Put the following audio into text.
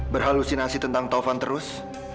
berhalusinasi tentang taufan terus